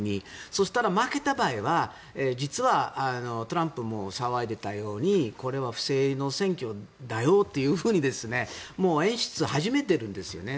そしたら、負けた場合は実はトランプも騒いでいたようにこれは不正の選挙だよと演出を始めてるんですよね。